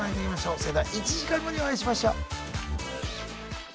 それでは１時間後にお会いしましょ。